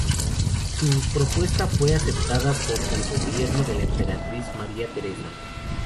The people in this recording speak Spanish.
Su propuesta fue aceptada por el gobierno de la Emperatriz María Teresa.